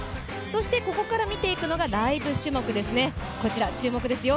ここから見ていくのがライブ種目ですね、こちら注目ですよ。